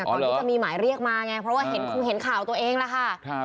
ก่อนที่จะมีหมายเรียกมาไงเพราะว่าเห็นครูเห็นข่าวตัวเองแล้วค่ะ